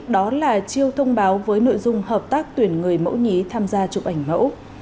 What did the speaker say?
đó là chiêu thông báo với nội dung hợp tác tuyển người mẫu nhí tham gia chụp ảnh mẫu